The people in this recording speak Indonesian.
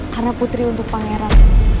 karena putri untuk pangeran